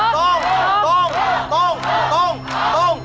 ตรง